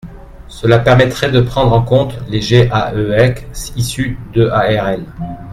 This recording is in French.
Cela permettrait de prendre en compte les GAEC issus d’EARL.